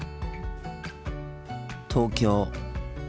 東京。